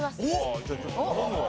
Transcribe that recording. じゃあちょっと頼むわ。